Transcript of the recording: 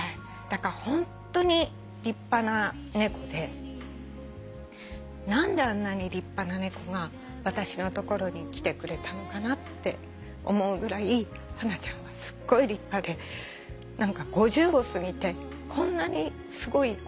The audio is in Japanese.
だからホントに立派な猫で何であんなに立派な猫が私の所に来てくれたのかなって思うぐらいハナちゃんはすっごい立派で何か５０を過ぎてこんなにすごいことに出会うなんて